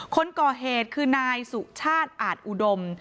คนก่อเหตุคือนายสุชาติอาจอุดม